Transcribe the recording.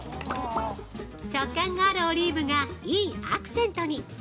◆食感があるオリーブがいいアクセントに！